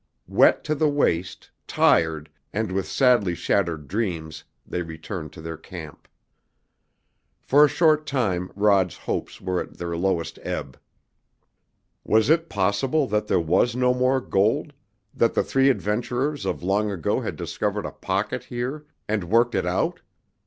Wet to the waist, tired, and with sadly shattered dreams they returned to their camp. For a short time Rod's hopes were at their lowest ebb. Was it possible that there was no more gold, that the three adventurers of long ago had discovered a "pocket" here, and worked it out?